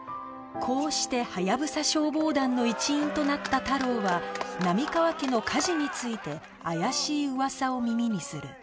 こうしてハヤブサ消防団の一員となった太郎は波川家の火事について怪しい噂を耳にする